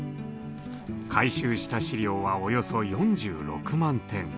回収した資料はおよそ４６万点。